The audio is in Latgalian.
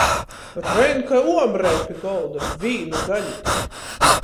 Rein kai uomreja pi golda, vīnu gali tik!